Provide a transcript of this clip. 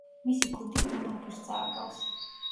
მისი ქუდი უნაგირს წააგავს.